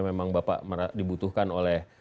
memang bapak dibutuhkan oleh